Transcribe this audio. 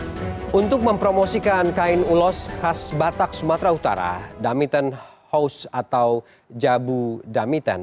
hai untuk mempromosikan kain ulos khas batak sumatera utara damitan house atau jabu damitan